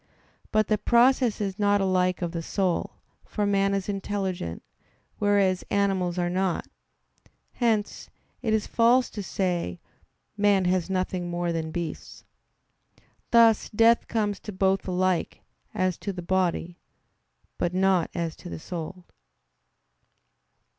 But the process is not alike of the soul; for man is intelligent, whereas animals are not. Hence it is false to say: "Man has nothing more than beasts." Thus death comes to both alike as to the body, by not as to the soul.